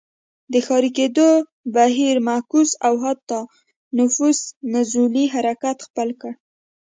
د ښاري کېدو بهیر معکوس او حتی نفوس نزولي حرکت خپل کړ.